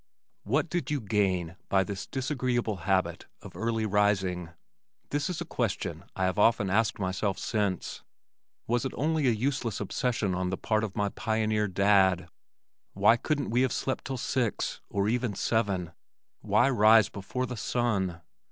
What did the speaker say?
"What did you gain by this disagreeable habit of early rising?" This is a question I have often asked myself since. Was it only a useless obsession on the part of my pioneer dad? Why couldn't we have slept till six, or even seven? Why rise before the sun?